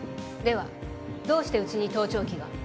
ではどうしてうちに盗聴器が？